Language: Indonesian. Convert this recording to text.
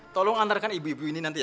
tolong antarkan ibu ibu ini nanti